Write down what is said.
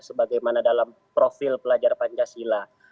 sebagaimana dalam profil pelajar pancasila